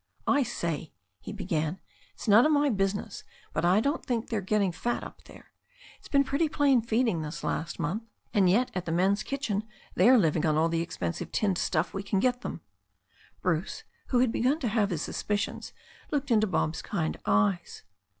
"I say," he began, "it's none of my business, but I don't think they are getting fat up there. It's been pretty plain feeding this last month. And yet, at the men's kitchen, they are living on all the expensive tinned stuff we can get them." Bruce, who had begun to have his suspicions, looked into Bob's kind eyes.